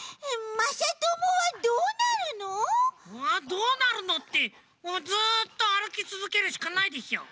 どうなるのってずっとあるきつづけるしかないでしょ。